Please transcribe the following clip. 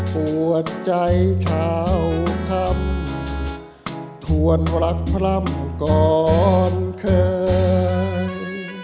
ปวดใจชาวคำทวนรักพร่ำก่อนเคย